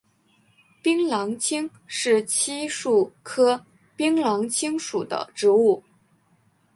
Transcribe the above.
槟榔青是漆树科槟榔青属的植物。